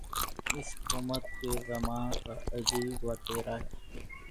اس حکومت کے زعما کا عجیب وتیرہ ہے۔